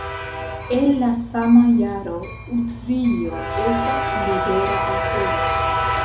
El la sama jaro Utrio estas libera aŭtoro.